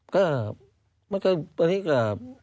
ก็มันก็ตอนนี้ก็